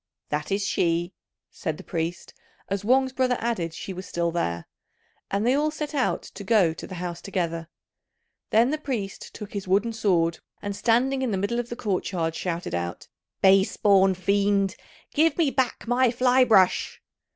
"That is she," said the priest, as Wang's brother added she was still there; and they all set out to go to the house together. Then the priest took his wooden sword, and standing in the middle of the court yard, shouted out, "Base born fiend, give me back my fly brush!"